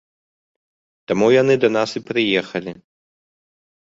Таму яны да нас і прыехалі.